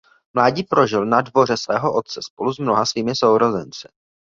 Mládí prožil na dvoře svého otce spolu s mnoha svými sourozenci.